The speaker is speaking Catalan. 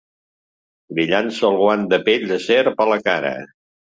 Li llança el guant de pell de serp a la cara.